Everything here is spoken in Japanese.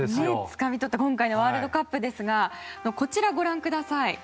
つかみ取った今回のワールドカップですがこちら、ご覧ください。